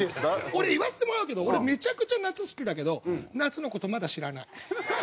俺言わせてもらうけど俺めちゃくちゃ夏好きだけど夏の事まだ知らない。